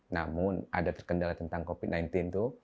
namun ada terkendala tentang covid sembilan belas itu